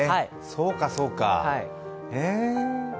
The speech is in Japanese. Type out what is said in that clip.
そうか、そうか、へぇ。